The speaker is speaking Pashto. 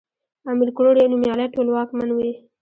امير کروړ يو نوميالی ټولواکمن وی